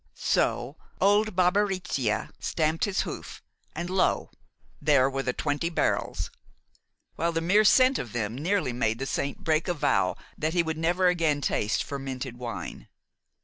So old Barbariccia stamped his hoof, and lo! there were the twenty barrels, while the mere scent of them nearly made the saint break a vow that he would never again taste fermented wine.